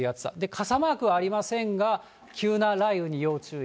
傘マークはありませんが、急な雷雨に要注意。